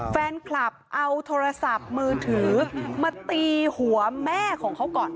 แฟนคลับเอาโทรศัพท์มือถือมาตีหัวแม่ของเขาก่อน